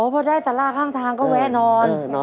พอได้สาราข้างทางก็แวะนอน